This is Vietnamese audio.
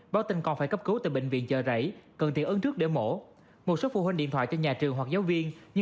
báo tin con phải cấp cứu từ bệnh viện chợ rẫy cần tiền ấn trước để mổ